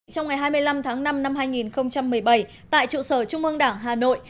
trong ngày hai mươi năm tháng năm năm hai nghìn một mươi bảy tại trụ sở trung ương đảng hà nội